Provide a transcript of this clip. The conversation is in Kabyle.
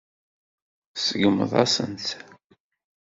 Tseggmeḍ-asent-tt.